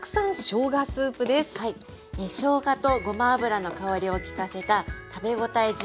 しょうがとごま油の香りをきかせた食べ応え十分のスープです。